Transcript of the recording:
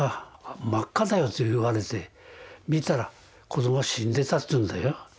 真っ赤だよと言われて見たら子どもは死んでたっていうんだよ。